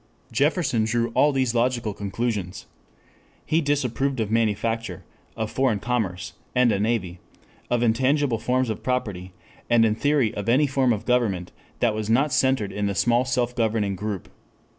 Jefferson drew all these logical conclusions. He disapproved of manufacture, of foreign commerce, and a navy, of intangible forms of property, and in theory of any form of government that was not centered in the small self governing group.